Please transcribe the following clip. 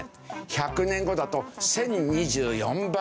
「１００年後だと１０２４倍になるぞ」と。